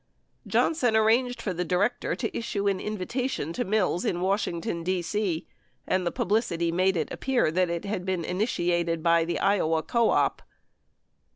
Johnson arranged for the director to issue an invitation to Mills in Washington, D.C. and the publicity made it appear that it had been initiated by Iowa Co op.